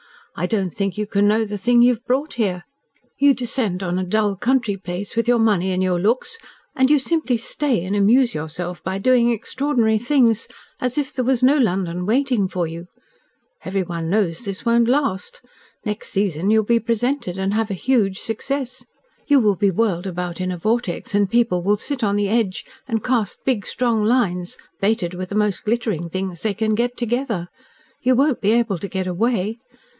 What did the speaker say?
I don't think you can know the thing you have brought here. You descend on a dull country place, with your money and your looks, and you simply STAY and amuse yourself by doing extraordinary things, as if there was no London waiting for you. Everyone knows this won't last. Next season you will be presented, and have a huge success. You will be whirled about in a vortex, and people will sit on the edge, and cast big strong lines, baited with the most glittering things they can get together. You won't be able to get away.